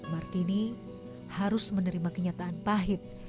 martini harus menerima kenyataan pahit